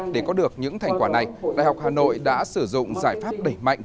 để có được những thành quả này đại học hà nội đã sử dụng giải pháp đẩy mạnh